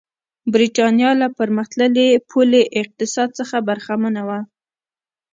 برېټانیا له پرمختللي پولي اقتصاد څخه برخمنه وه.